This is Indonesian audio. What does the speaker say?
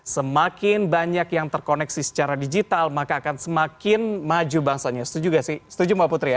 semakin banyak yang terkoneksi secara digital maka akan semakin maju bangsanya setuju gak sih setuju mbak putri ya